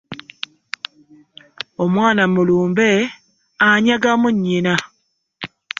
Omwana mu lumbe anyagamu nyinna .